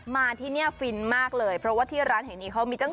มาที่นี่ฟินมากเลยเพราะว่าที่ร้านแห่งนี้เขามีตั้ง